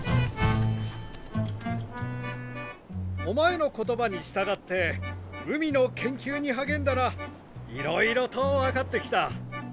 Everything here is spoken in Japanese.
お前の言葉に従って海の研究に励んだらいろいろと分かってきた。